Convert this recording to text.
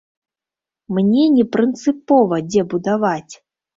Мне не прынцыпова, дзе будаваць.